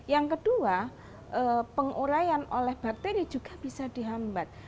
yang kedua pengurayan oleh bakteri juga bisa dihambat